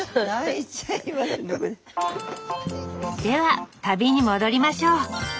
では旅に戻りましょう。